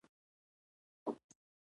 ناره یې وکړه ورونه د مرګ په خوب بیده دي.